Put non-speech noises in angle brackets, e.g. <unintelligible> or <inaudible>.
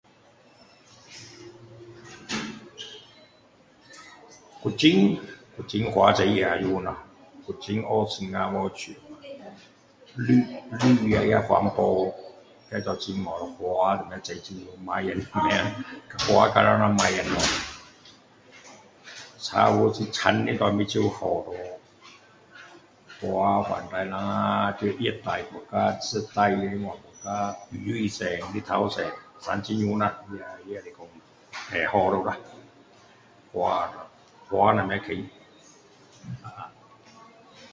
<noise> 古晋，古晋花种得很美咯。古晋学新加坡像。绿, 绿化环保也做得好咯。花也什么也种很好， <unintelligible> 花剪成猫仔那样。 <unintelligible> 青色对眼睛好咯。花，反正在我们在热带国家，热带的国家 ,雨水多，阳头多。 <unintelligible> <unintelligible> 那个来说，会好了啦。花咯花什么再 <unintelligible>